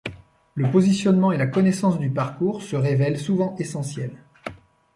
Le positionnement et la connaissance du parcours se révèlent souvent essentiels.